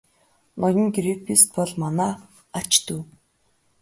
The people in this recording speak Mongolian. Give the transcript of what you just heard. Ноён Грифитс бол манай ач дүү.